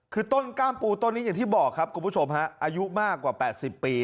คือต้นกล้ามปูต้นนี้อย่างที่บอกครับคุณผู้ชมฮะอายุมากกว่า๘๐ปี